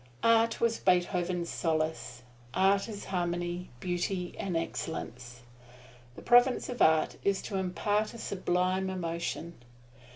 Art was Beethoven's solace. Art is harmony, beauty and excellence. The province of art is to impart a sublime emotion.